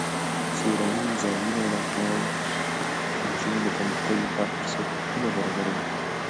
سیلانی ځایونه د افغان نجونو د پرمختګ لپاره فرصتونه برابروي.